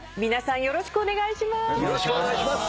よろしくお願いします。